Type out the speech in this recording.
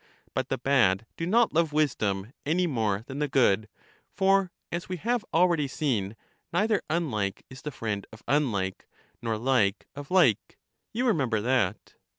But the bad do not love wisdom any more than the 72 LYSIS good; for, as we have already seen, neither unhke is the friend of unlike, nor like of like. You remember that?